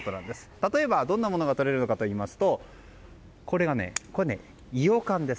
例えばどんなものがとれるかといいますとこれがイヨカンです。